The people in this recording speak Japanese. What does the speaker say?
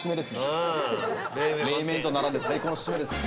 冷麺と並んで最高の締めです。